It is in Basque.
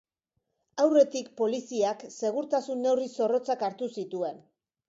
Aurretik poliziak segurtasun-neurri zorrotzak hartu zituen.